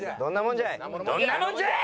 どんなもんじゃい。